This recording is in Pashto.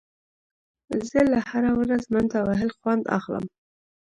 زه له هره ورځ منډه وهل خوند اخلم.